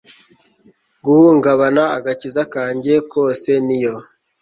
guhungabana. agakiza kanjye kose niyo